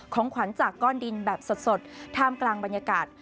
ของขวัญจากก้อนดินแบบสดท่ามกลางบรรยากาศ